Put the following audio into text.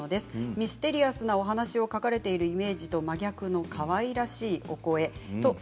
ミステリアスなお話を書かれているイメージとは真逆でかわいらしいお声です。